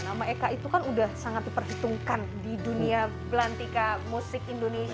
nama eka itu kan udah sangat diperhitungkan di dunia belantika musik indonesia